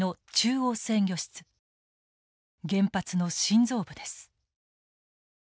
原発の心臓部です。